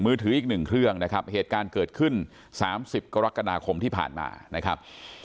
ถืออีกหนึ่งเครื่องนะครับเหตุการณ์เกิดขึ้น๓๐กรกฎาคมที่ผ่านมานะครับ